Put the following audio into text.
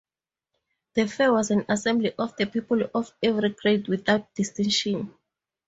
The fair was an assembly of the people of every grade without distinction.